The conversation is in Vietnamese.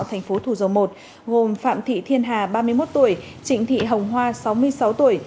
thành phố thủ dầu một gồm phạm thị thiên hà ba mươi một tuổi trịnh thị hồng hoa sáu mươi sáu tuổi